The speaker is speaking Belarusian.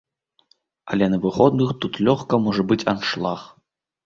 Але на выходных тут лёгка можа быць аншлаг.